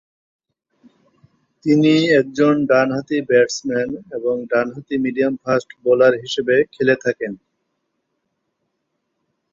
তিনি একজন ডানহাতি ব্যাটসম্যান এবং ডানহাতি মিডিয়াম ফাস্ট বোলার হিসেবে খেলে থাকেন।